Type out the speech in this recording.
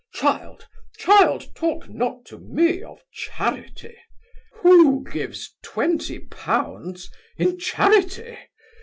Child, child, talk not to me of charity. Who gives twenty pounds in charity?